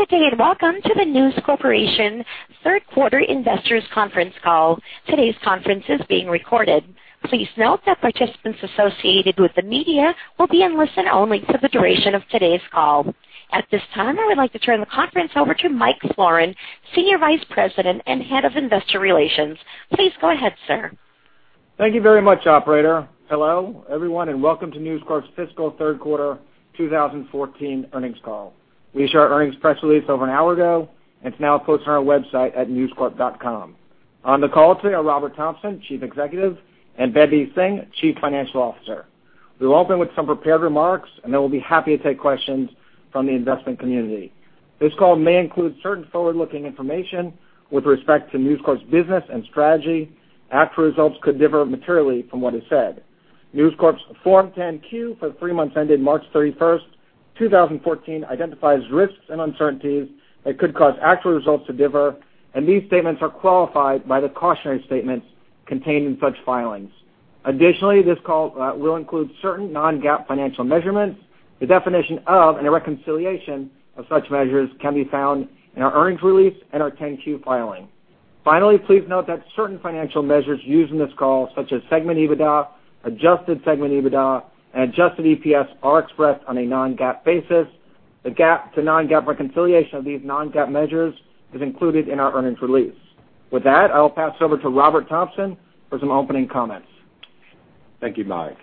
Good day, and welcome to the News Corporation third quarter investors conference call. Today's conference is being recorded. Please note that participants associated with the media will be in listen only for the duration of today's call. At this time, I would like to turn the conference over to Mike Florin, Senior Vice President and Head of Investor Relations. Please go ahead, sir. Thank you very much, operator. Hello, everyone, and welcome to News Corp's fiscal third quarter 2014 earnings call. We issued our earnings press release over an hour ago, and it's now posted on our website at newscorp.com. On the call today are Robert Thomson, Chief Executive, and Bedi Singh, Chief Financial Officer. We'll open with some prepared remarks, and then we'll be happy to take questions from the investment community. This call may include certain forward-looking information with respect to News Corp's business and strategy. Actual results could differ materially from what is said. News Corp's Form 10-Q for the three months ending March 31st, 2014, identifies risks and uncertainties that could cause actual results to differ, and these statements are qualified by the cautionary statements contained in such filings. Additionally, this call will include certain non-GAAP financial measurements. The definition of and a reconciliation of such measures can be found in our earnings release and our 10-Q filing. Finally, please note that certain financial measures used in this call, such as segment EBITDA, adjusted segment EBITDA, and adjusted EPS, are expressed on a non-GAAP basis. The GAAP to non-GAAP reconciliation of these non-GAAP measures is included in our earnings release. With that, I'll pass over to Robert Thomson for some opening comments. Thank you, Mike.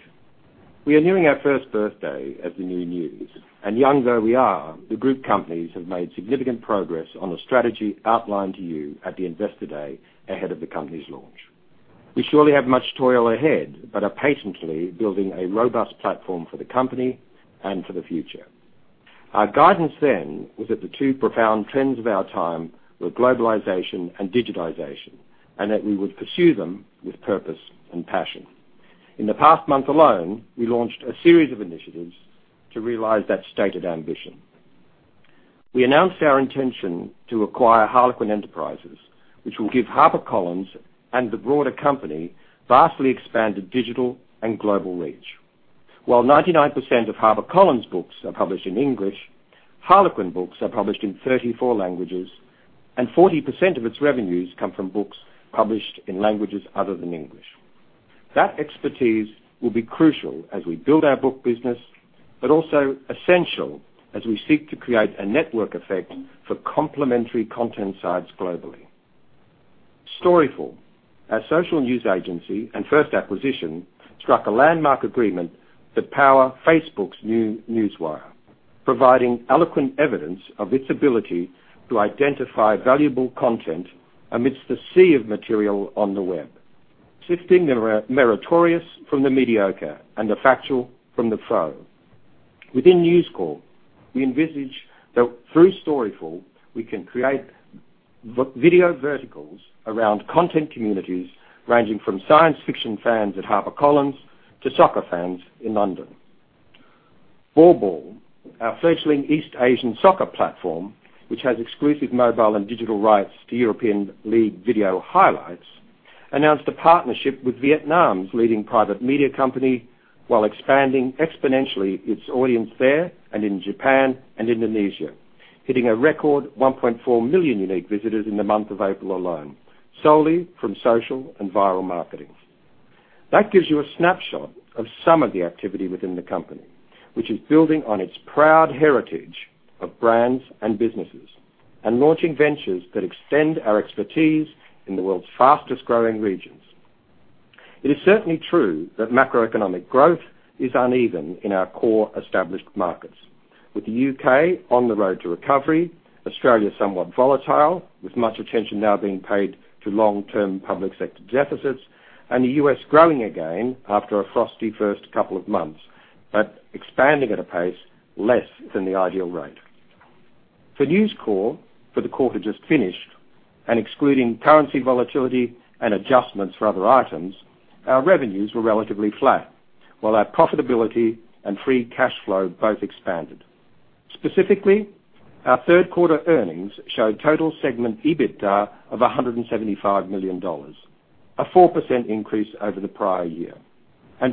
We are nearing our first birthday as the new News, and young though we are, the group companies have made significant progress on the strategy outlined to you at the Investor Day ahead of the company's launch. We surely have much toil ahead, but are patiently building a robust platform for the company and for the future. Our guidance then was that the two profound trends of our time were globalization and digitization, and that we would pursue them with purpose and passion. In the past month alone, we launched a series of initiatives to realize that stated ambition. We announced our intention to acquire Harlequin Enterprises, which will give HarperCollins and the broader company vastly expanded digital and global reach. While 99% of HarperCollins books are published in English, Harlequin books are published in 34 languages, and 40% of its revenues come from books published in languages other than English. That expertise will be crucial as we build our book business, but also essential as we seek to create a network effect for complementary content sites globally. Storyful, our social news agency and first acquisition, struck a landmark agreement to power Facebook's new newswire, providing eloquent evidence of its ability to identify valuable content amidst the sea of material on the web, sifting the meritorious from the mediocre and the factual from the faux. Within News Corp, we envisage that through Storyful, we can create video verticals around content communities ranging from science fiction fans at HarperCollins to soccer fans in London. BallBall, our fledgling East Asian soccer platform, which has exclusive mobile and digital rights to European League video highlights, announced a partnership with Vietnam's leading private media company while expanding exponentially its audience there and in Japan and Indonesia, hitting a record 1.4 million unique visitors in the month of April alone, solely from social and viral marketing. That gives you a snapshot of some of the activity within the company, which is building on its proud heritage of brands and businesses and launching ventures that extend our expertise in the world's fastest-growing regions. It is certainly true that macroeconomic growth is uneven in our core established markets, with the U.K. on the road to recovery, Australia somewhat volatile, with much attention now being paid to long-term public sector deficits, and the U.S. growing again after a frosty first couple of months, but expanding at a pace less than the ideal rate. For News Corp, for the quarter just finished, and excluding currency volatility and adjustments for other items, our revenues were relatively flat, while our profitability and free cash flow both expanded. Specifically, our third quarter earnings show total segment EBITDA of $175 million, a 4% increase over the prior year.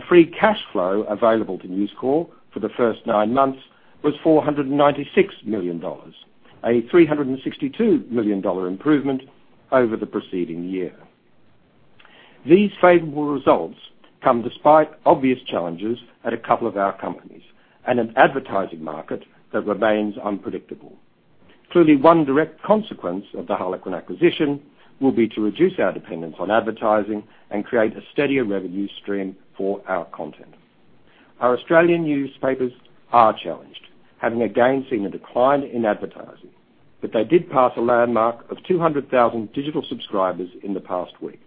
Free cash flow available to News Corp for the first nine months was $496 million, a $362 million improvement over the preceding year. These favorable results come despite obvious challenges at a couple of our companies and an advertising market that remains unpredictable. Clearly, one direct consequence of the Harlequin acquisition will be to reduce our dependence on advertising and create a steadier revenue stream for our content. Our Australian newspapers are challenged, having again seen a decline in advertising, but they did pass a landmark of 200,000 digital subscribers in the past week.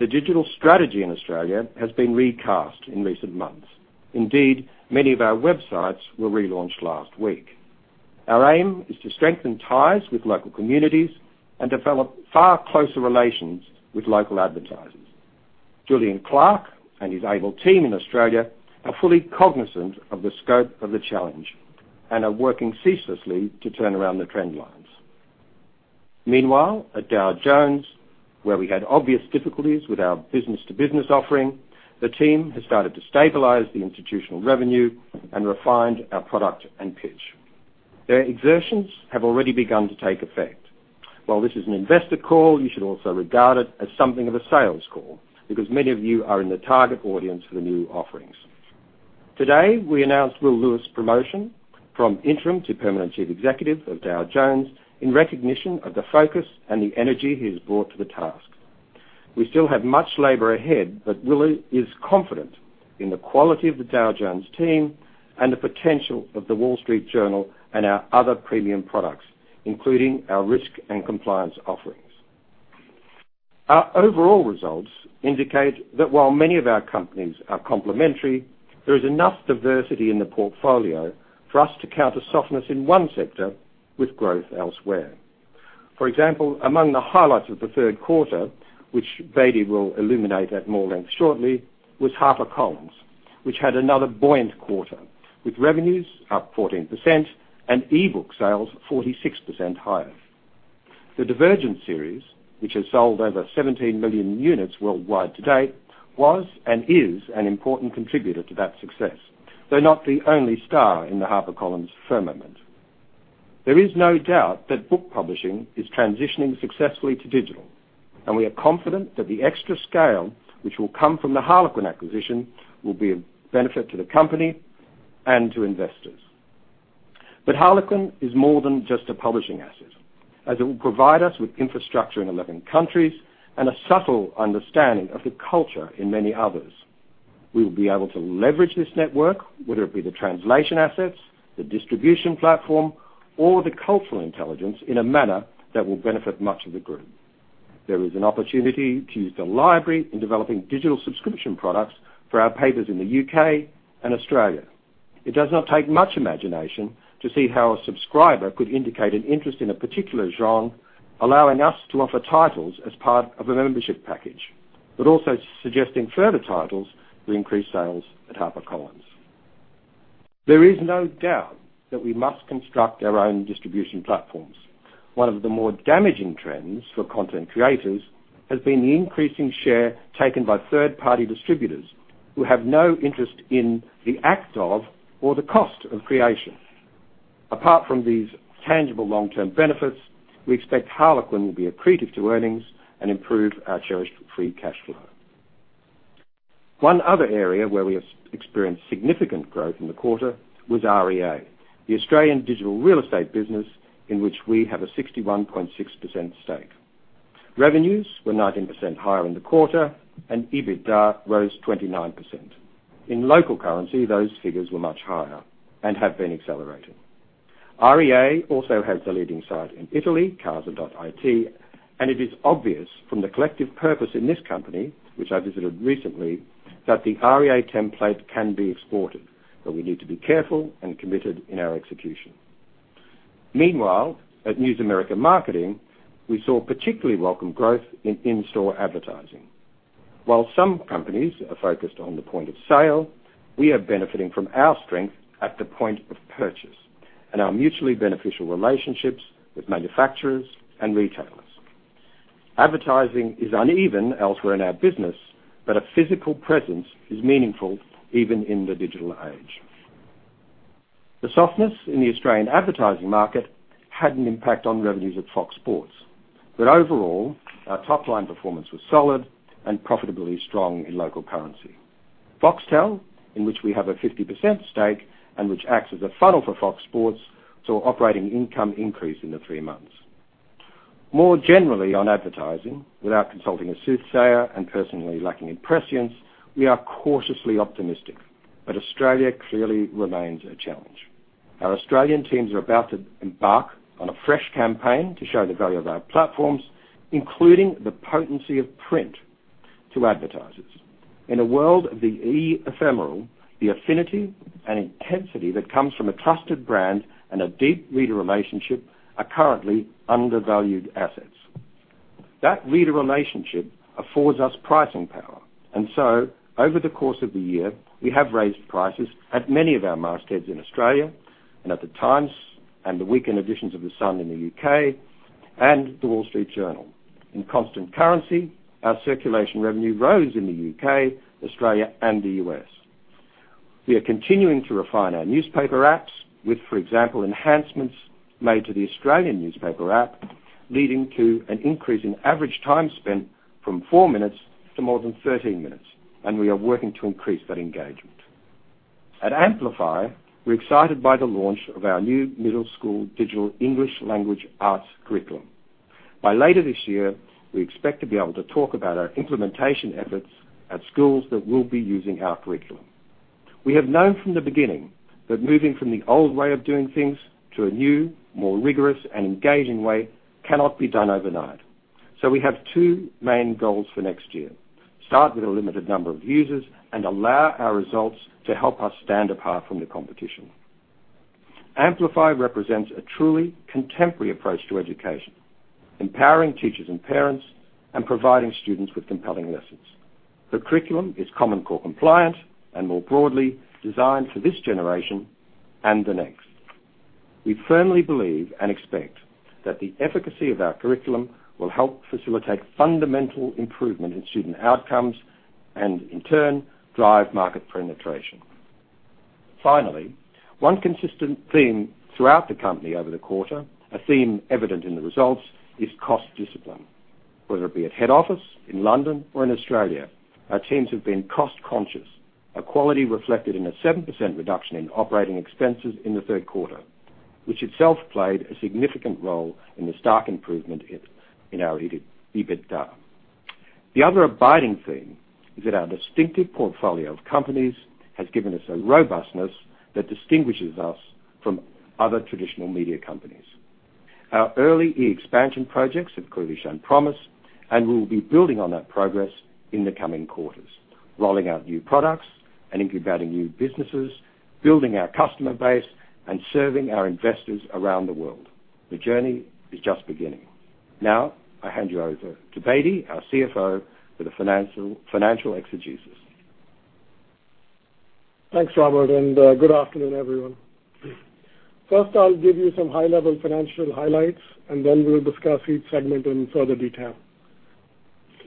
The digital strategy in Australia has been recast in recent months. Indeed, many of our websites were relaunched last week. Our aim is to strengthen ties with local communities and develop far closer relations with local advertisers. Julian Clarke and his able team in Australia are fully cognizant of the scope of the challenge and are working ceaselessly to turn around the trend lines. Meanwhile, at Dow Jones, where we had obvious difficulties with our business-to-business offering, the team has started to stabilize the institutional revenue and refined our product and pitch. Their exertions have already begun to take effect. While this is an investor call, you should also regard it as something of a sales call because many of you are in the target audience for the new offerings. Today, we announced Will Lewis' promotion from interim to permanent Chief Executive of Dow Jones in recognition of the focus and the energy he has brought to the task. We still have much labor ahead, but Will is confident in the quality of the Dow Jones team and the potential of The Wall Street Journal and our other premium products, including our risk and compliance offerings. Our overall results indicate that while many of our companies are complementary, there is enough diversity in the portfolio for us to counter softness in one sector with growth elsewhere. For example, among the highlights of the third quarter, which Bedi will illuminate at more length shortly, was HarperCollins, which had another buoyant quarter with revenues up 14% and e-book sales 46% higher. The Divergent Series, which has sold over 17 million units worldwide to date, was and is an important contributor to that success, though not the only star in the HarperCollins firmament. There is no doubt that book publishing is transitioning successfully to digital, and we are confident that the extra scale which will come from the Harlequin acquisition will be of benefit to the company and to investors. Harlequin is more than just a publishing asset, as it will provide us with infrastructure in 11 countries and a subtle understanding of the culture in many others. We will be able to leverage this network, whether it be the translation assets, the distribution platform, or the cultural intelligence in a manner that will benefit much of the group. There is an opportunity to use the library in developing digital subscription products for our papers in the U.K. and Australia. It does not take much imagination to see how a subscriber could indicate an interest in a particular genre, allowing us to offer titles as part of a membership package, but also suggesting further titles to increase sales at HarperCollins. There is no doubt that we must construct our own distribution platforms. One of the more damaging trends for content creators has been the increasing share taken by third-party distributors who have no interest in the act of, or the cost of creation. Apart from these tangible long-term benefits, we expect Harlequin will be accretive to earnings and improve our cherished free cash flow. One other area where we have experienced significant growth in the quarter was REA, the Australian digital real estate business in which we have a 61.6% stake. Revenues were 19% higher in the quarter, and EBITDA rose 29%. In local currency, those figures were much higher and have been accelerating. REA also has the leading site in Italy, Casa.it, and it is obvious from the collective purpose in this company, which I visited recently, that the REA template can be exported, but we need to be careful and committed in our execution. Meanwhile, at News America Marketing, we saw particularly welcome growth in in-store advertising. While some companies are focused on the point of sale, we are benefiting from our strength at the point of purchase and our mutually beneficial relationships with manufacturers and retailers. Advertising is uneven elsewhere in our business, but a physical presence is meaningful even in the digital age. The softness in the Australian advertising market had an impact on revenues at Fox Sports, but overall, our top-line performance was solid and profitability strong in local currency. Foxtel, in which we have a 50% stake and which acts as a funnel for Fox Sports, saw operating income increase in the three months. More generally on advertising, without consulting a soothsayer and personally lacking in prescience, we are cautiously optimistic that Australia clearly remains a challenge. Our Australian teams are about to embark on a fresh campaign to show the value of our platforms, including the potency of print to advertisers. In a world of the ephemeral, the affinity and intensity that comes from a trusted brand and a deep reader relationship are currently undervalued assets. Over the course of the year, we have raised prices at many of our mastheads in Australia and at The Times and the weekend editions of The Sun in the U.K. and The Wall Street Journal. In constant currency, our circulation revenue rose in the U.K., Australia, and the U.S. We are continuing to refine our newspaper apps with, for example, enhancements made to the Australian newspaper app, leading to an increase in average time spent from four minutes to more than 13 minutes, and we are working to increase that engagement. At Amplify, we are excited by the launch of our new middle school digital English language arts curriculum. By later this year, we expect to be able to talk about our implementation efforts at schools that will be using our curriculum. We have known from the beginning that moving from the old way of doing things to a new, more rigorous, and engaging way cannot be done overnight. We have two main goals for next year. Start with a limited number of users and allow our results to help us stand apart from the competition. Amplify represents a truly contemporary approach to education, empowering teachers and parents, and providing students with compelling lessons. The curriculum is Common Core compliant and more broadly designed for this generation and the next. We firmly believe and expect that the efficacy of our curriculum will help facilitate fundamental improvement in student outcomes and in turn drive market penetration. Finally, one consistent theme throughout the company over the quarter, a theme evident in the results, is cost discipline. Whether it be at head office, in London or in Australia, our teams have been cost conscious. A quality reflected in a 7% reduction in operating expenses in the third quarter, which itself played a significant role in the stark improvement in our EBITDA. The other abiding theme is that our distinctive portfolio of companies has given us a robustness that distinguishes us from other traditional media companies. Our early e-expansion projects have clearly shown promise. We'll be building on that progress in the coming quarters, rolling out new products and incubating new businesses, building our customer base, and serving our investors around the world. The journey is just beginning. Now, I hand you over to Bedi, our CFO, for the financial exegesis. Thanks, Robert. Good afternoon, everyone. First, I'll give you some high-level financial highlights. Then we'll discuss each segment in further detail.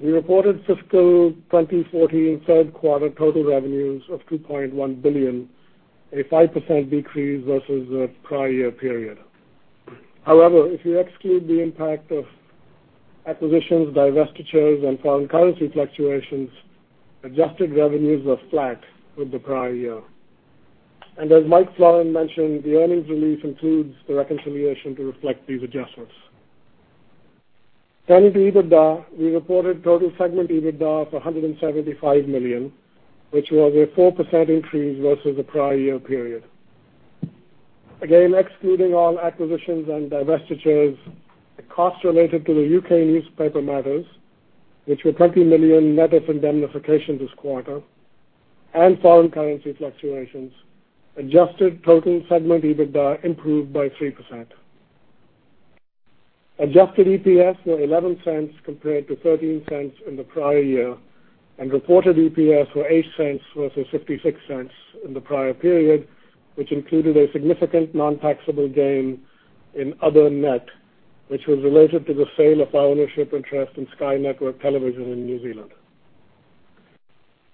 We reported fiscal 2014 third quarter total revenues of $2.1 billion, a 5% decrease versus the prior year period. However, if you exclude the impact of acquisitions, divestitures, and foreign currency fluctuations, adjusted revenues were flat with the prior year. As Mike Florin mentioned, the earnings release includes the reconciliation to reflect these adjustments. Turning to EBITDA, we reported total segment EBITDA of $175 million, which was a 4% increase versus the prior year period. Again, excluding all acquisitions and divestitures, the cost related to the U.K. newspaper matters, which were $20 million net of indemnification this quarter, and foreign currency fluctuations, adjusted total segment EBITDA improved by 3%. Adjusted EPS were $0.11 compared to $0.13 in the prior year. Reported EPS were $0.08 versus $0.56 in the prior period, which included a significant non-taxable gain in other net, which was related to the sale of our ownership interest in Sky Network Television in New Zealand.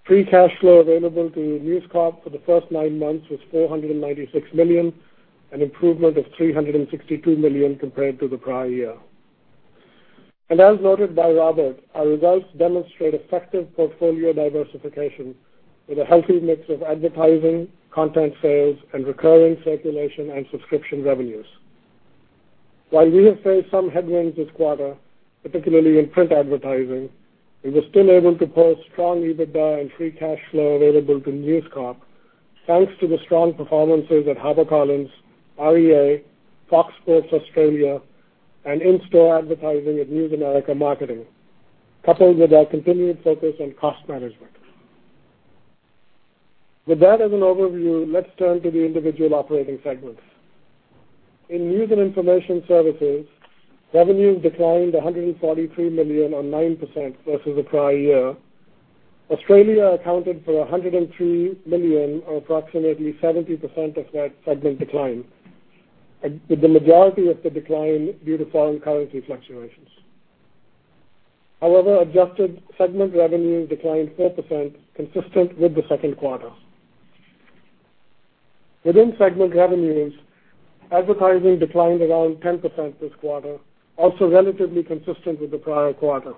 Free cash flow available to News Corp for the first nine months was $496 million, an improvement of $362 million compared to the prior year. As noted by Robert, our results demonstrate effective portfolio diversification with a healthy mix of advertising, content sales, and recurring circulation and subscription revenues. While we have faced some headwinds this quarter, particularly in print advertising, we were still able to post strong EBITDA and free cash flow available to News Corp, thanks to the strong performances at HarperCollins, REA, Fox Sports Australia, and in-store advertising at News America Marketing, coupled with our continued focus on cost management. With that as an overview, let's turn to the individual operating segments. In news and information services, revenues declined $143 million on 9% versus the prior year. Australia accounted for $103 million, or approximately 70% of that segment decline, with the majority of the decline due to foreign currency fluctuations. However, adjusted segment revenues declined 4%, consistent with the second quarter. Within segment revenues, advertising declined around 10% this quarter, also relatively consistent with the prior quarter.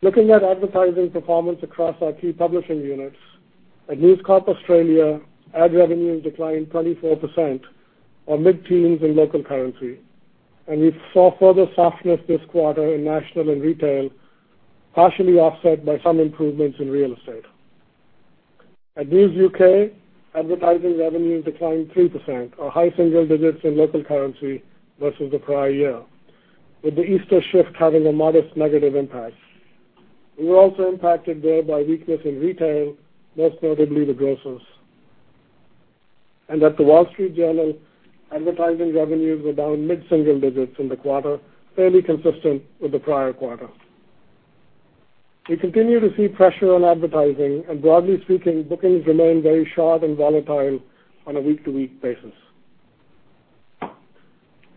Looking at advertising performance across our key publishing units, at News Corp Australia, ad revenues declined 24%, or mid-teens in local currency, and we saw further softness this quarter in national and retail, partially offset by some improvements in real estate. At News U.K., advertising revenues declined 3%, or high single digits in local currency versus the prior year, with the Easter shift having a modest negative impact. We were also impacted there by weakness in retail, most notably the grocers. At The Wall Street Journal, advertising revenues were down mid-single digits in the quarter, fairly consistent with the prior quarter. We continue to see pressure on advertising, and broadly speaking, bookings remain very sharp and volatile on a week-to-week basis.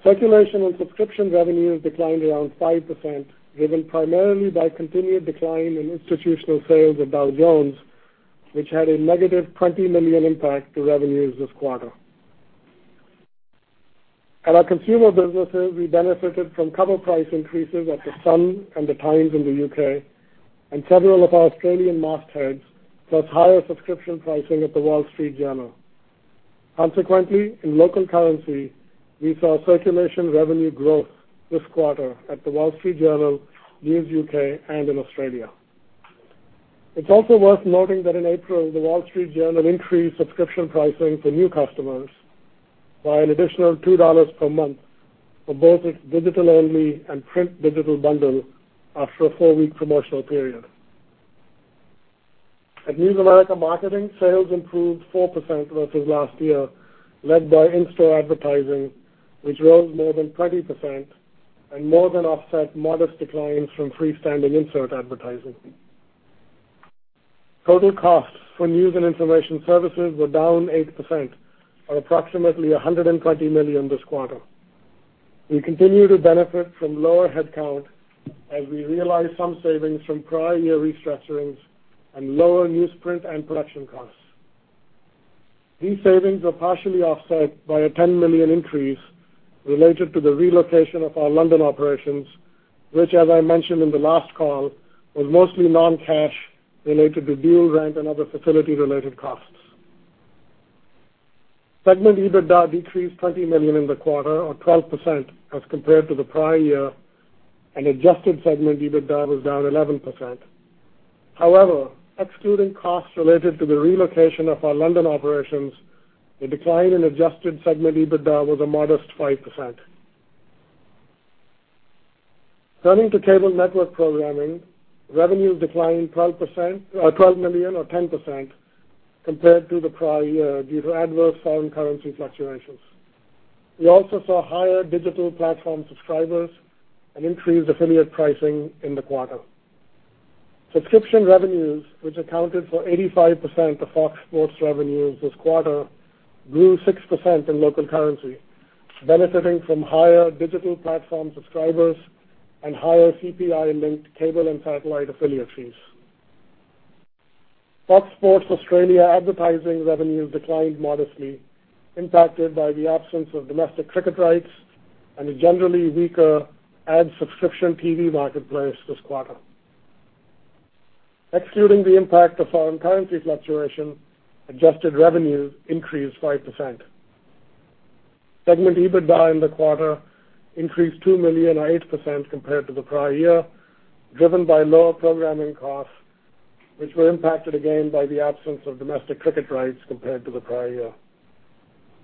Circulation and subscription revenues declined around 5%, driven primarily by continued decline in institutional sales at Dow Jones, which had a negative $20 million impact to revenues this quarter. At our consumer businesses, we benefited from cover price increases at The Sun and The Times in the U.K. and several of our Australian mastheads, plus higher subscription pricing at The Wall Street Journal. Consequently, in local currency, we saw circulation revenue growth this quarter at The Wall Street Journal, News U.K. and in Australia. It's also worth noting that in April, The Wall Street Journal increased subscription pricing for new customers by an additional $2 per month for both its digital-only and print-digital bundle after a four-week promotional period. At News America Marketing, sales improved 4% versus last year, led by in-store advertising, which rose more than 20% and more than offset modest declines from freestanding insert advertising. Total costs for news and information services were down 8%, or approximately $120 million this quarter. We continue to benefit from lower headcount as we realize some savings from prior year restructurings and lower newsprint and production costs. These savings are partially offset by a $10 million increase related to the relocation of our London operations, which as I mentioned in the last call, was mostly non-cash related to deal rent and other facility-related costs. Segment EBITDA decreased $20 million in the quarter, or 12% as compared to the prior year, and adjusted segment EBITDA was down 11%. However, excluding costs related to the relocation of our London operations, the decline in adjusted segment EBITDA was a modest 5%. Turning to cable network programming, revenues declined $12 million or 10% compared to the prior year due to adverse foreign currency fluctuations. We also saw higher digital platform subscribers and increased affiliate pricing in the quarter. Subscription revenues, which accounted for 85% of Fox Sports revenues this quarter, grew 6% in local currency, benefiting from higher digital platform subscribers and higher CPI-linked cable and satellite affiliate fees. Fox Sports Australia advertising revenues declined modestly, impacted by the absence of domestic cricket rights and a generally weaker ad subscription TV marketplace this quarter. Excluding the impact of foreign currency fluctuation, adjusted revenues increased 5%. Segment EBITDA in the quarter increased $2 million or 8% compared to the prior year, driven by lower programming costs, which were impacted again by the absence of domestic cricket rights compared to the prior year.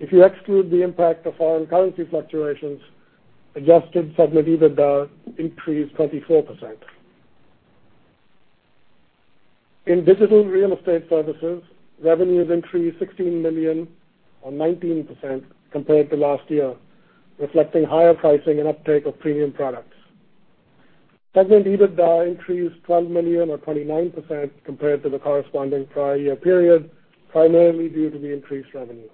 If you exclude the impact of foreign currency fluctuations, adjusted segment EBITDA increased 24%. In Digital & Real Estate Services, revenues increased 16 million or 19% compared to last year, reflecting higher pricing and uptake of premium products. Segment EBITDA increased 12 million or 29% compared to the corresponding prior year period, primarily due to the increased revenue.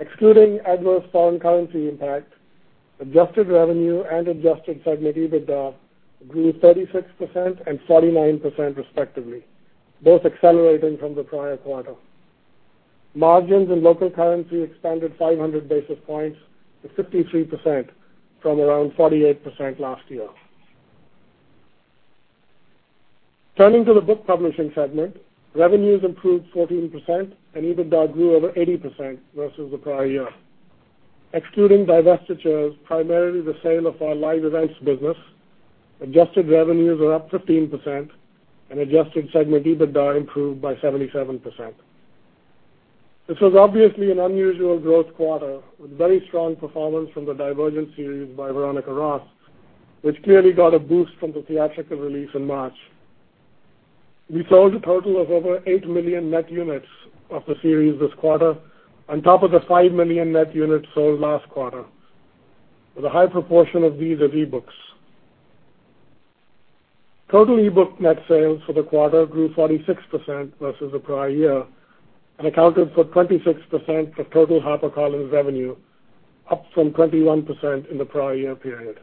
Excluding adverse foreign currency impact, adjusted revenue and adjusted segment EBITDA grew 36% and 49% respectively, both accelerating from the prior quarter. Margins in local currency expanded 500 basis points to 53% from around 48% last year. Turning to the book publishing segment, revenues improved 14% and EBITDA grew over 80% versus the prior year. Excluding divestitures, primarily the sale of our live events business, adjusted revenues are up 15% and adjusted segment EBITDA improved by 77%. This was obviously an unusual growth quarter with very strong performance from the Divergent Series by Veronica Roth, which clearly got a boost from the theatrical release in March. We sold a total of over 8 million net units of the series this quarter, on top of the 5 million net units sold last quarter, with a high proportion of these as e-books. Total e-book net sales for the quarter grew 46% versus the prior year and accounted for 26% of total HarperCollins revenue, up from 21% in the prior year period.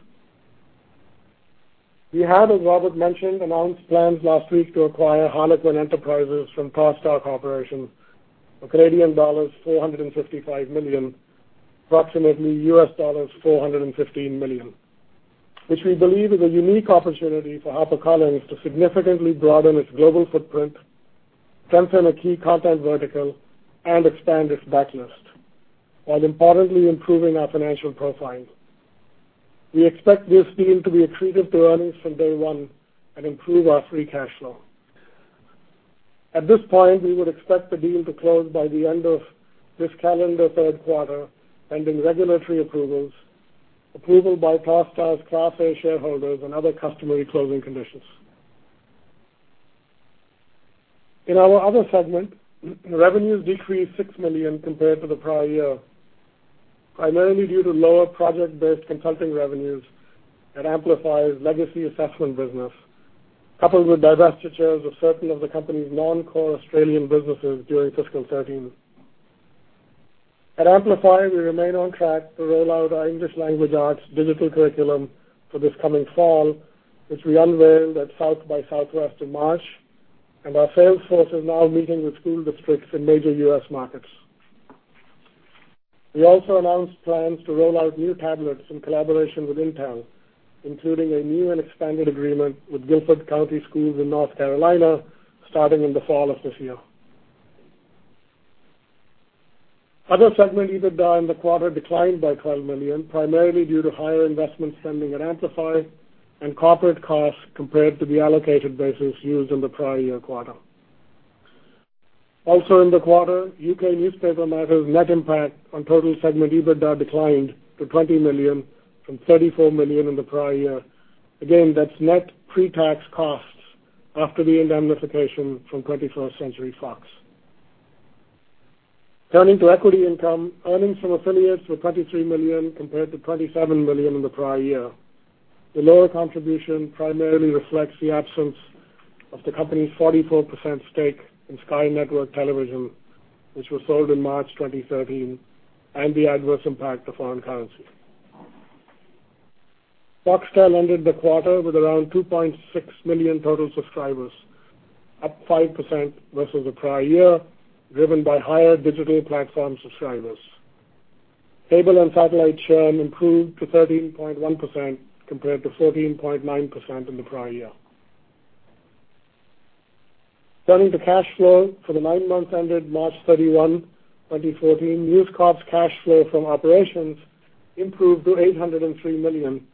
We have, as Robert mentioned, announced plans last week to acquire Harlequin Enterprises from Torstar Corporation for CAD 455 million, approximately $415 million, which we believe is a unique opportunity for HarperCollins to significantly broaden its global footprint, strengthen a key content vertical, and expand its backlist, while importantly improving our financial profile. We expect this deal to be accretive to earnings from day one and improve our free cash flow. At this point, we would expect the deal to close by the end of this calendar third quarter, pending regulatory approvals, approval by Torstar's Class A shareholders and other customary closing conditions. In our other segment, revenues decreased 6 million compared to the prior year, primarily due to lower project-based consulting revenues at Amplify's legacy assessment business, coupled with divestitures of certain of the company's non-core Australian businesses during fiscal 2013. At Amplify, we remain on track to roll out our English Language Arts digital curriculum for this coming fall, which we unveiled at South by Southwest in March, and our sales force is now meeting with school districts in major U.S. markets. We also announced plans to roll out new tablets in collaboration with Intel, including a new and expanded agreement with Guilford County Schools in North Carolina, starting in the fall of this year. Other segment EBITDA in the quarter declined by 12 million, primarily due to higher investment spending at Amplify and corporate costs compared to the allocated basis used in the prior year quarter. Also in the quarter, U.K. Newspaper matters net impact on total segment EBITDA declined to 20 million from 34 million in the prior year. Again, that's net pre-tax costs after the indemnification from 21st Century Fox. Turning to equity income, earnings from affiliates were $23 million compared to $27 million in the prior year. The lower contribution primarily reflects the absence of the company's 44% stake in Sky Network Television, which was sold in March 2013, and the adverse impact of foreign currency. Foxtel ended the quarter with around 2.6 million total subscribers, up 5% versus the prior year, driven by higher digital platform subscribers. Cable and satellite churn improved to 13.1% compared to 14.9% in the prior year. Turning to cash flow for the nine months ended March 31, 2014, News Corp's cash flow from operations improved to $803 million,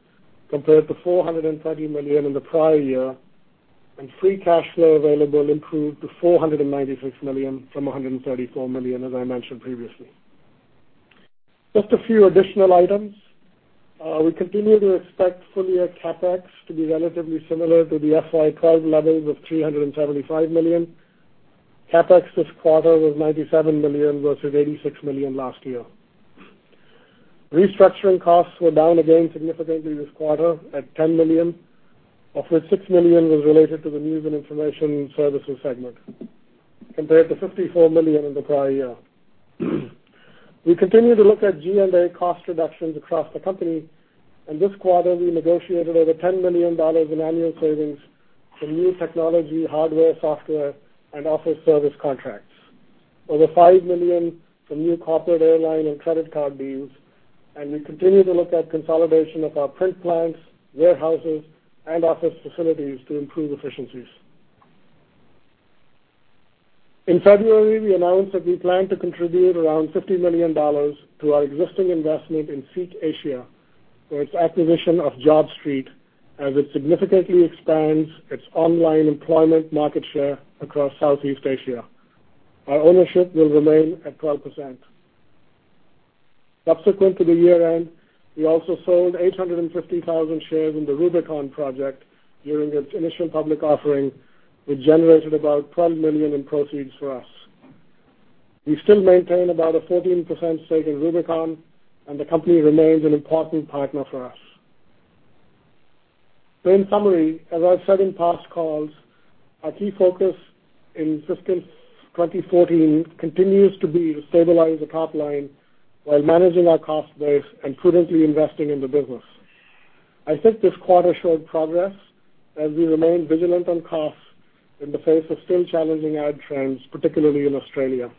compared to $430 million in the prior year, and free cash flow available improved to $496 million from $134 million, as I mentioned previously. Just a few additional items. We continue to expect full-year CapEx to be relatively similar to the FY 2012 level of $375 million. CapEx this quarter was $97 million versus $86 million last year. Restructuring costs were down again significantly this quarter at $10 million, of which $6 million was related to the news and information services segment, compared to $54 million in the prior year. We continue to look at G&A cost reductions across the company. This quarter we negotiated over $10 million in annual savings from new technology, hardware, software, and office service contracts. Over $5 million from new corporate airline and credit card deals. We continue to look at consolidation of our print plants, warehouses, and office facilities to improve efficiencies. In February, we announced that we plan to contribute around $50 million to our existing investment in SEEK Asia for its acquisition of JobStreet, as it significantly expands its online employment market share across Southeast Asia. Our ownership will remain at 12%. Subsequent to the year-end, we also sold 850,000 shares in The Rubicon Project during its initial public offering, which generated about $12 million in proceeds for us. We still maintain about a 14% stake in Rubicon, and the company remains an important partner for us. In summary, as I've said in past calls, our key focus in fiscal 2014 continues to be to stabilize the top line while managing our cost base and prudently investing in the business. I think this quarter showed progress as we remain vigilant on costs in the face of still challenging ad trends, particularly in Australia.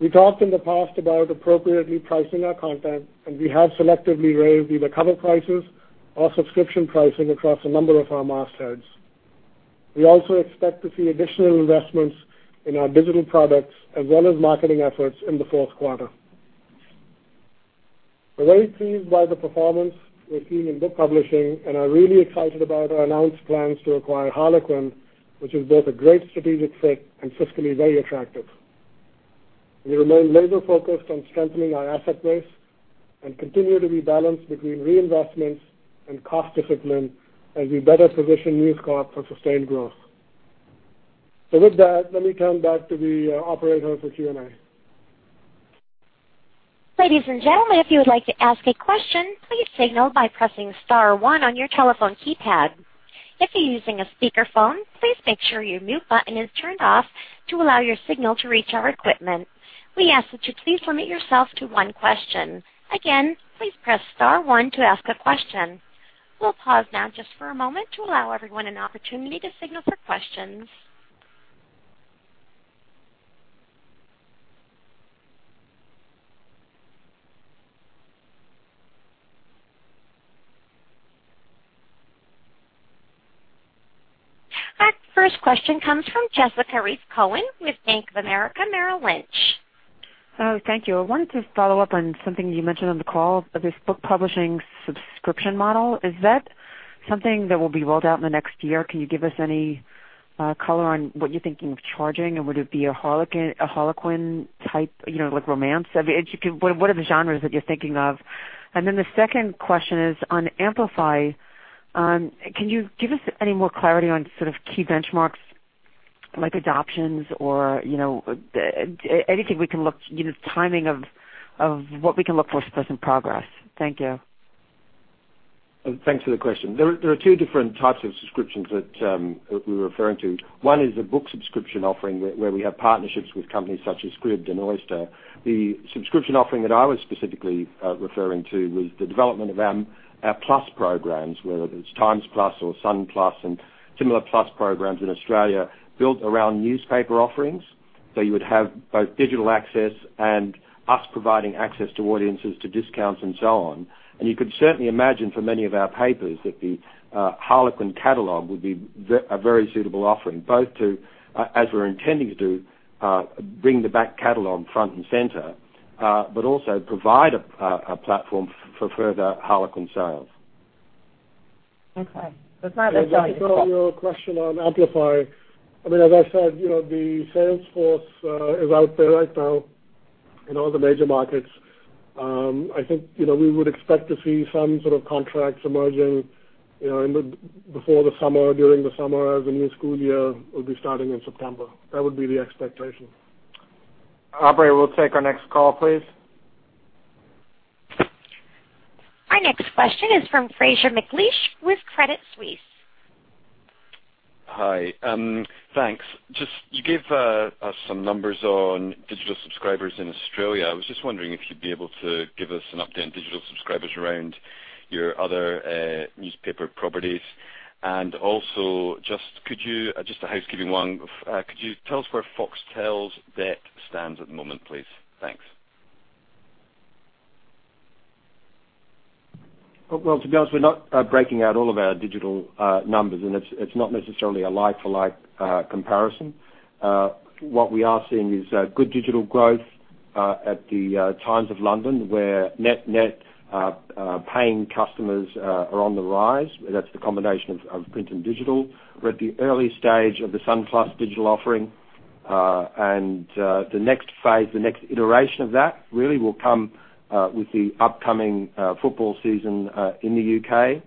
We talked in the past about appropriately pricing our content. We have selectively raised either cover prices or subscription pricing across a number of our mastheads. We also expect to see additional investments in our digital products as well as marketing efforts in the fourth quarter. We're very pleased by the performance we're seeing in book publishing and are really excited about our announced plans to acquire Harlequin, which is both a great strategic fit and fiscally very attractive. With that, let me turn back to the operator for Q&A. Ladies and gentlemen, if you would like to ask a question, please signal by pressing star one on your telephone keypad. If you are using a speakerphone, please make sure your mute button is turned off to allow your signal to reach our equipment. We ask that you please limit yourself to one question. Again, please press star one to ask a question. We will pause now just for a moment to allow everyone an opportunity to signal for questions. Our first question comes from Jessica Reif-Cohen with Bank of America/Merrill Lynch. Thank you. I wanted to follow up on something you mentioned on the call, this book publishing subscription model. Is that something that will be rolled out in the next year? Can you give us any color on what you are thinking of charging? Would it be a Harlequin type, like romance? What are the genres that you are thinking of? The second question is on Amplify. Can you give us any more clarity on sort of key benchmarks like adoptions or anything we can look, timing of what we can look for progress? Thank you. Thanks for the question. There are 2 different types of subscriptions that we are referring to. One is the book subscription offering, where we have partnerships with companies such as Scribd and Oyster. The subscription offering that I was specifically referring to was the development of our Plus programs, whether it is Times+ or Sun+ and similar Plus programs in Australia built around newspaper offerings. You would have both digital access and us providing access to audiences to discounts and so on. You could certainly imagine for many of our papers that the Harlequin catalog would be a very suitable offering, both to, as we are intending to do, bring the back catalog front and center, but also provide a platform for further Harlequin sales. Okay. That's my next. Just on your question on Amplify. As I said, the sales force is out there right now in all the major markets I think we would expect to see some sort of contracts emerging before the summer, during the summer, as the new school year will be starting in September. That would be the expectation. Operator, we'll take our next call, please. Our next question is from Fraser McLeish with Credit Suisse. Hi. Thanks. You gave us some numbers on digital subscribers in Australia. I was just wondering if you'd be able to give us an update on digital subscribers around your other newspaper properties. Also, just a housekeeping one, could you tell us where Foxtel's debt stands at the moment, please? Thanks. Well, to be honest, we're not breaking out all of our digital numbers, and it's not necessarily a like-to-like comparison. What we are seeing is good digital growth at The Times where net paying customers are on the rise. That's the combination of print and digital. We're at the early stage of the Sun+ digital offering. The next phase, the next iteration of that really will come with the upcoming football season in the U.K.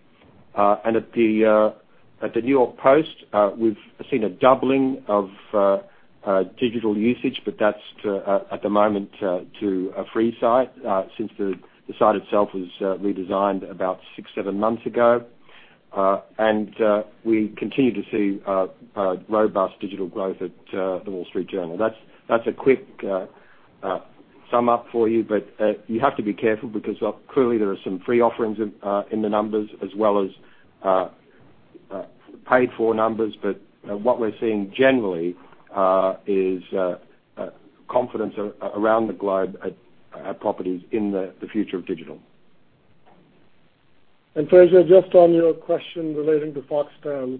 At The New York Post, we've seen a doubling of digital usage, but that's at the moment to a free site since the site itself was redesigned about six, seven months ago. We continue to see robust digital growth at The Wall Street Journal. That's a quick sum-up for you, but you have to be careful because clearly there are some free offerings in the numbers as well as paid-for numbers. What we're seeing generally is confidence around the globe at properties in the future of digital. Fraser, just on your question relating to Foxtel.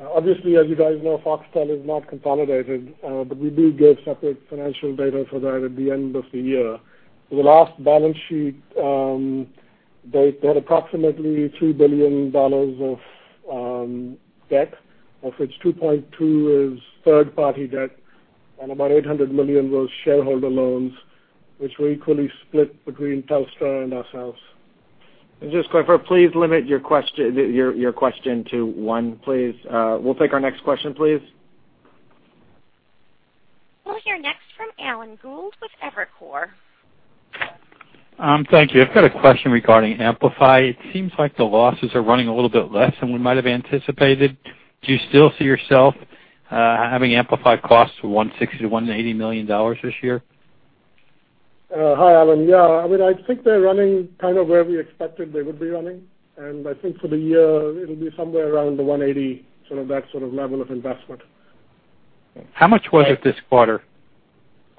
Obviously as you guys know, Foxtel is not consolidated, but we do give separate financial data for that at the end of the year. For the last balance sheet, they had approximately $3 billion of debt, of which $2.2 billion is third-party debt, and about $800 million was shareholder loans, which were equally split between Telstra and ourselves. Just quickly, please limit your question to one, please. We'll take our next question, please. We'll hear next from Alan Gould with Evercore. Thank you. I've got a question regarding Amplify. It seems like the losses are running a little bit less than we might have anticipated. Do you still see yourself having Amplify costs of $160 million-$180 million this year? Hi, Alan. Yeah, I think they're running kind of where we expected they would be running, and I think for the year, it'll be somewhere around the $180 million, sort of that level of investment. How much was it this quarter?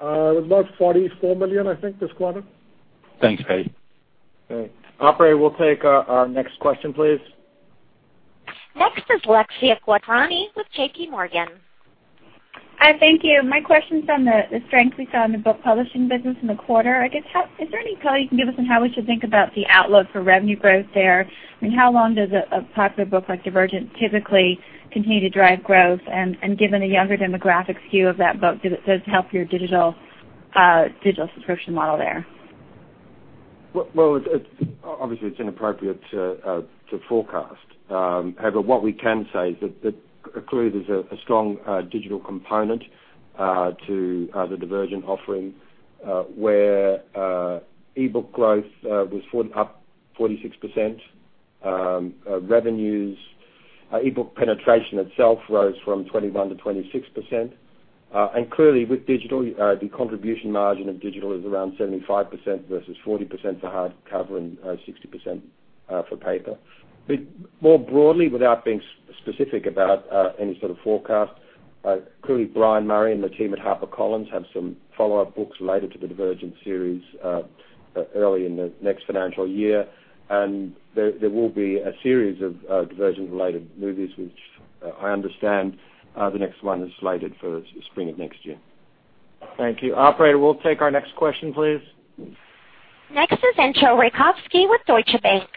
It was about $44 million, I think, this quarter. Thanks, Pete. Okay. Operator, we will take our next question, please. Next is Alexia Quadrani with JPMorgan. Hi, thank you. My question's on the strength we saw in the book publishing business in the quarter. Is there any color you can give us on how we should think about the outlook for revenue growth there? How long does a popular book like "Divergent" typically continue to drive growth? Given the younger demographic skew of that book, does it help your digital subscription model there? Obviously, it's inappropriate to forecast. However, what we can say is that clearly there's a strong digital component to the "Divergent" offering, where e-book growth was up 46%. Revenues, e-book penetration itself rose from 21% to 26%. Clearly with digital, the contribution margin of digital is around 75% versus 40% for hardcover and 60% for paper. More broadly, without being specific about any sort of forecast, clearly Brian Murray and the team at HarperCollins have some follow-up books related to the "Divergent Series" early in the next financial year. There will be a series of "Divergent" related movies, which I understand the next one is slated for spring of next year. Thank you. Operator, we'll take our next question, please. Next is Entcho Raykovski with Deutsche Bank.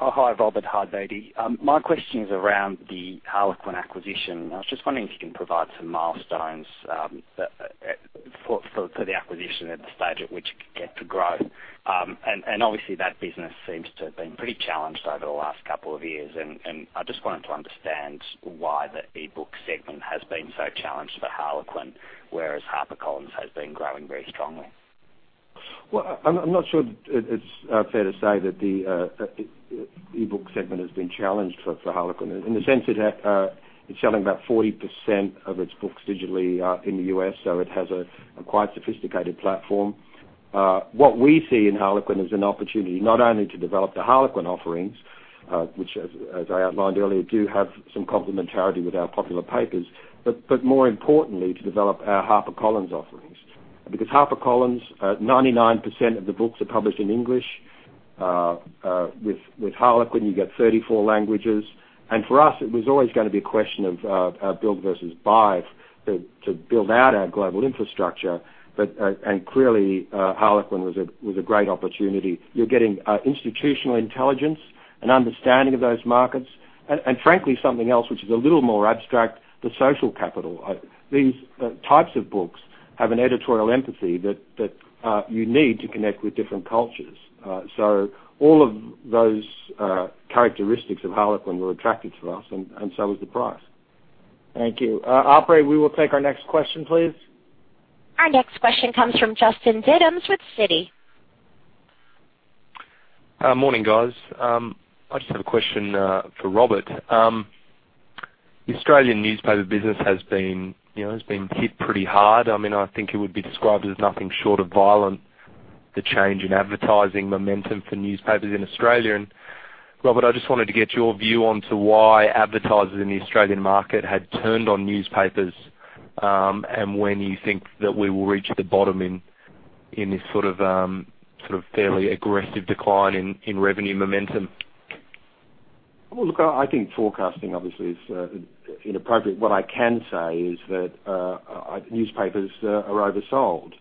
Oh, hi, Robert, Hardledi. My question is around the Harlequin acquisition. I was just wondering if you can provide some milestones for the acquisition at the stage at which it could get to growth. Obviously that business seems to have been pretty challenged over the last couple of years, and I just wanted to understand why the e-book segment has been so challenged for Harlequin, whereas HarperCollins has been growing very strongly. Well, I'm not sure it's fair to say that the e-book segment has been challenged for Harlequin. In the sense that it's selling about 40% of its books digitally in the U.S., it has a quite sophisticated platform. What we see in Harlequin is an opportunity not only to develop the Harlequin offerings, which as I outlined earlier, do have some complementarity with our popular papers. More importantly, to develop our HarperCollins offerings. HarperCollins, 99% of the books are published in English. With Harlequin, you get 34 languages. For us, it was always going to be a question of build versus buy to build out our global infrastructure. Clearly, Harlequin was a great opportunity. You're getting institutional intelligence and understanding of those markets, and frankly, something else which is a little more abstract, the social capital. These types of books have an editorial empathy that you need to connect with different cultures. All of those characteristics of Harlequin were attractive to us, and so was the price. Thank you. Operator, we will take our next question, please. Our next question comes from Justin Diddams with Citi. Morning, guys. I just have a question for Robert. The Australian newspaper business has been hit pretty hard. I think it would be described as nothing short of violent, the change in advertising momentum for newspapers in Australia. Robert, I just wanted to get your view onto why advertisers in the Australian market had turned on newspapers, and when you think that we will reach the bottom in this sort of fairly aggressive decline in revenue momentum. Well, look, I think forecasting obviously is inappropriate. What I can say is that newspapers are oversold.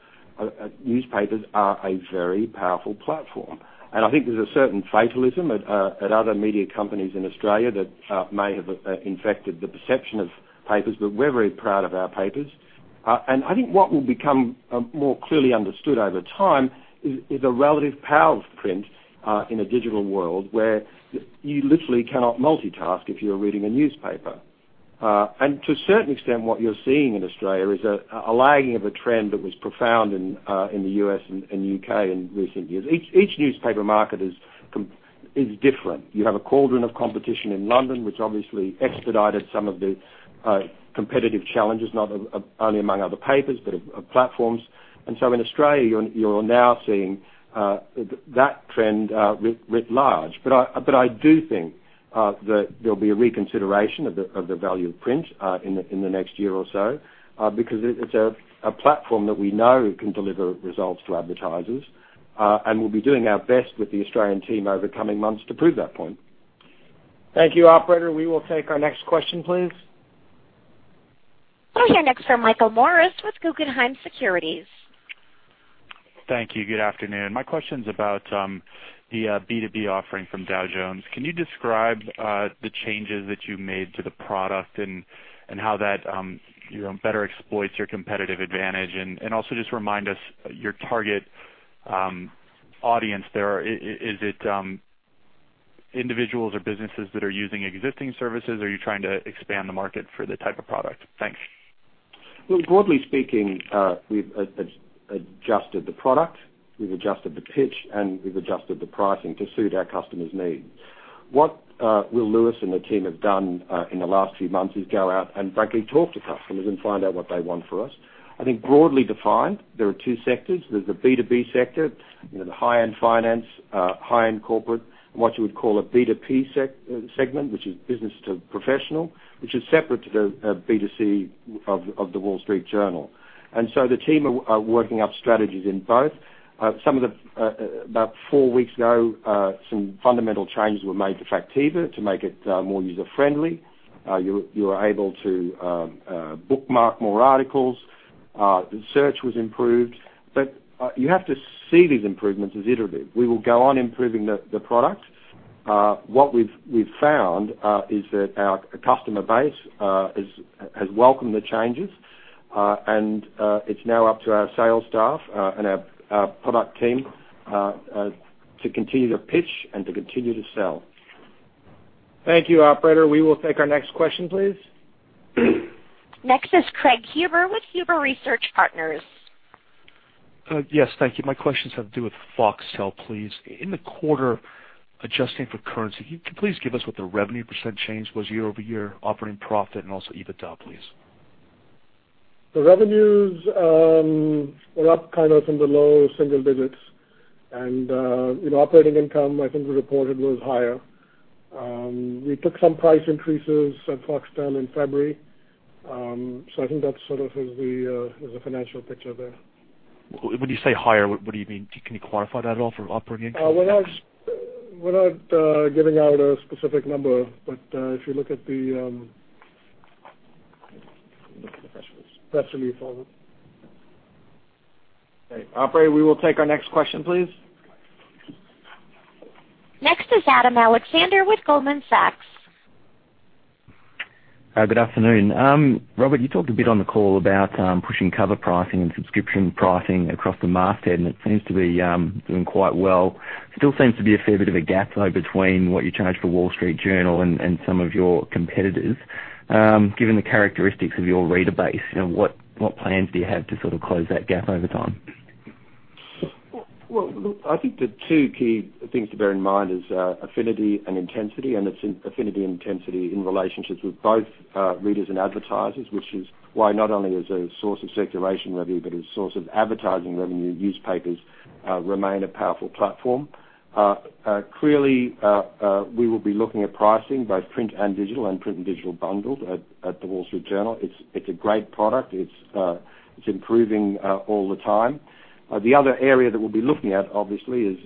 Newspapers are a very powerful platform, I think there's a certain fatalism at other media companies in Australia that may have infected the perception of papers, we're very proud of our papers. I think what will become more clearly understood over time is the relative power of print in a digital world where you literally cannot multitask if you are reading a newspaper. To a certain extent, what you're seeing in Australia is a lagging of a trend that was profound in the U.S. and U.K. in recent years. Each newspaper market is different. You have a cauldron of competition in London, which obviously expedited some of the competitive challenges, not only among other papers, but of platforms. In Australia, you're now seeing that trend writ large. I do think that there'll be a reconsideration of the value of print in the next year or so, because it's a platform that we know can deliver results to advertisers. We'll be doing our best with the Australian team over coming months to prove that point. Thank you. Operator, we will take our next question, please. We'll hear next from Michael Morris with Guggenheim Securities. Thank you. Good afternoon. My question's about the B2B offering from Dow Jones. Can you describe the changes that you made to the product and how that better exploits your competitive advantage? Also just remind us your target audience there. Is it individuals or businesses that are using existing services, or are you trying to expand the market for the type of product? Thanks. Broadly speaking, we've adjusted the product, we've adjusted the pitch, and we've adjusted the pricing to suit our customers' needs. What Will Lewis and the team have done in the last few months is go out and frankly talk to customers and find out what they want from us. I think broadly defined, there are two sectors. There's the B2B sector, the high-end finance, high-end corporate, and what you would call a B2P segment, which is business to professional, which is separate to the B2C of The Wall Street Journal. The team are working up strategies in both. About four weeks ago, some fundamental changes were made to Factiva to make it more user-friendly. You are able to bookmark more articles. The search was improved. You have to see these improvements as iterative. We will go on improving the product. What we've found is that our customer base has welcomed the changes, and it's now up to our sales staff and our product team to continue to pitch and to continue to sell. Thank you. Operator, we will take our next question, please. Next is Craig Huber with Huber Research Partners. Yes. Thank you. My questions have to do with Foxtel, please. In the quarter, adjusting for currency, can you please give us what the revenue % change was year-over-year, operating profit, and also EBITDA, please? The revenues were up kind of in the low single digits. Operating income, I think we reported was higher. We took some price increases at Foxtel in February. I think that sort of is the financial picture there. When you say higher, what do you mean? Can you quantify that at all for operating income? Without giving out a specific number, if you look at the Operator, we will take our next question, please. Next is Adam Alexander with Goldman Sachs. Good afternoon. Robert, you talked a bit on the call about pushing cover pricing and subscription pricing across the masthead, and it seems to be doing quite well. Still seems to be a fair bit of a gap, though, between what you charge for The Wall Street Journal and some of your competitors. Given the characteristics of your reader base, what plans do you have to sort of close that gap over time? Look, I think the two key things to bear in mind is affinity and intensity, and it's affinity, intensity in relationships with both readers and advertisers, which is why not only as a source of circulation revenue, but as a source of advertising revenue, newspapers remain a powerful platform. Clearly, we will be looking at pricing both print and digital and print and digital bundles at The Wall Street Journal. It's a great product. It's improving all the time. The other area that we'll be looking at, obviously, is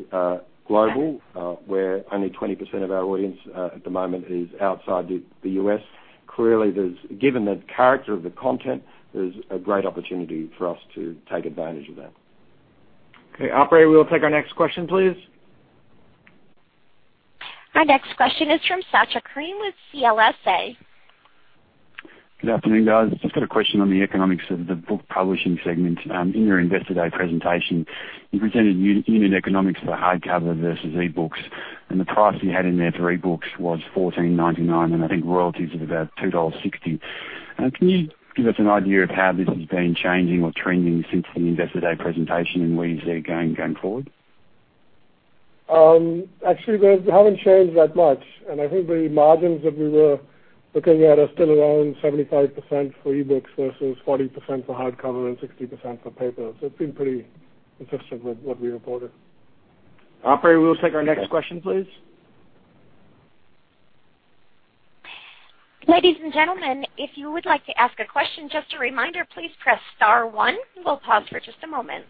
global, where only 20% of our audience at the moment is outside the U.S. Clearly, given the character of the content, there's a great opportunity for us to take advantage of that. Operator, we will take our next question, please. Our next question is from Sacha Krien with CLSA. Good afternoon, guys. Just got a question on the economics of the book publishing segment. In your Investor Day presentation, you presented unit economics for hardcover versus e-books. The price you had in there for eBooks was $14.99, and I think royalties of about $2.60. Can you give us an idea of how this has been changing or trending since the Investor Day presentation, and where you see it going forward? Actually, they haven't changed that much. I think the margins that we were looking at are still around 75% for eBooks versus 40% for hardcover and 60% for paper. It's been pretty consistent with what we reported. Operator, we will take our next question, please. Ladies and gentlemen, if you would like to ask a question, just a reminder, please press *1. We'll pause for just a moment.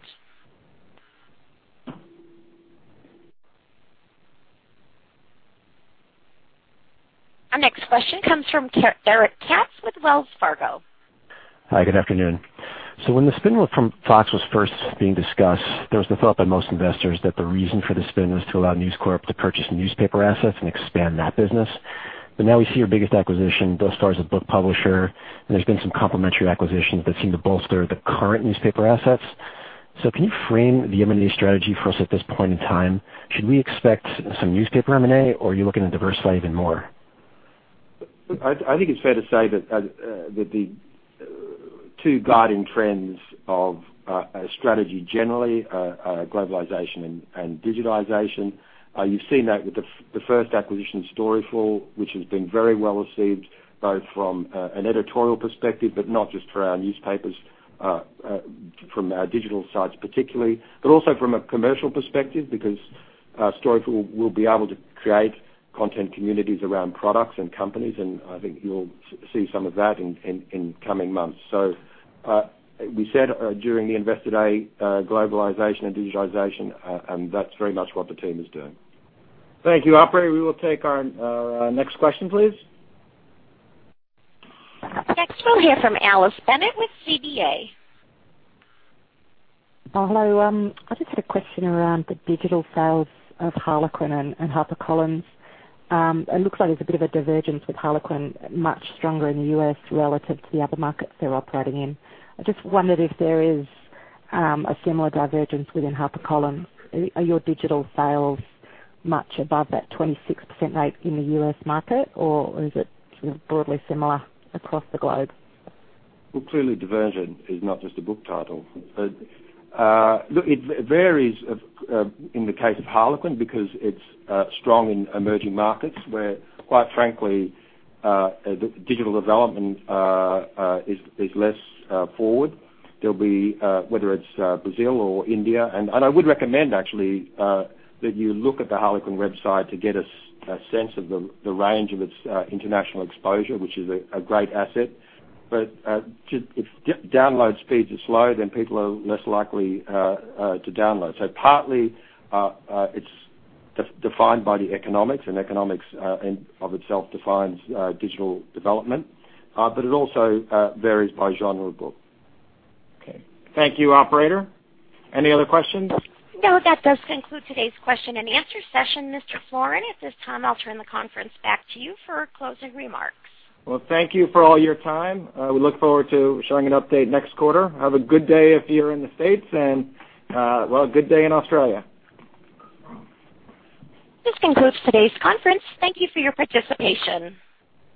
Our next question comes from Eric Katz with Wells Fargo. Hi, good afternoon. When the spin-off from Fox was first being discussed, there was the thought by most investors that the reason for the spin was to allow News Corp to purchase newspaper assets and expand that business. Now we see your biggest acquisition, HarperCollins, a book publisher, and there's been some complementary acquisitions that seem to bolster the current newspaper assets. Can you frame the M&A strategy for us at this point in time? Should we expect some newspaper M&A, or are you looking to diversify even more? I think it's fair to say that the two guiding trends of our strategy generally are globalization and digitalization. You've seen that with the first acquisition, Storyful, which has been very well received both from an editorial perspective, but not just for our newspapers, from our digital sites particularly, but also from a commercial perspective, because Storyful will be able to create content communities around products and companies, and I think you'll see some of that in coming months. We said during the Investor Day, globalization and digitalization, and that's very much what the team is doing. Thank you. Operator, we will take our next question, please. Next, we'll hear from Alice Bennett with CBA. Hello. I just had a question around the digital sales of Harlequin and HarperCollins. It looks like there's a bit of a divergence with Harlequin much stronger in the U.S. relative to the other markets they're operating in. I just wondered if there is a similar divergence within HarperCollins. Are your digital sales much above that 26% rate in the U.S. market, or is it broadly similar across the globe? Well, clearly divergence is not just a book title. Look, it varies in the case of Harlequin because it's strong in emerging markets where, quite frankly, digital development is less forward. There'll be, whether it's Brazil or India, and I would recommend actually that you look at the harlequin website to get a sense of the range of its international exposure, which is a great asset. If download speeds are slow, then people are less likely to download. Partly, it's defined by the economics, and economics of itself defines digital development. It also varies by genre of book. Okay. Thank you, operator. Any other questions? No, that does conclude today's question and answer session. Mr. Florin, at this time, I'll turn the conference back to you for closing remarks. Well, thank you for all your time. We look forward to sharing an update next quarter. Have a good day if you're in the States, and well, good day in Australia. This concludes today's conference. Thank you for your participation.